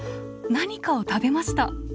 何かを食べました。